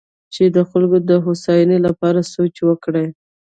چې د خلکو د هوساینې لپاره سوچ وکړي.